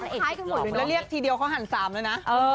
แล้วเรียกทีเดียวเขาหัน๓แล้วนะ